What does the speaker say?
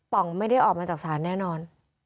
ป๋องไม่ได้ออกมาจากศาลแน่นอน